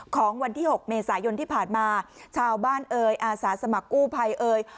ของวันที่๖เมษายนที่ผ่านมาชาวบ้านเอ่ยอาสาสมัครกู้ภัยเอ่ย